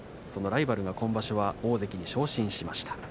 そのライバルが今場所は大関に昇進しました。